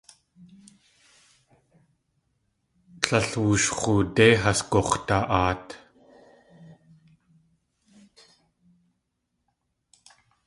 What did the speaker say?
Tlél woosh x̲oodé has gux̲da.aat.